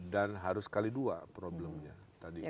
dan harus kali dua problemnya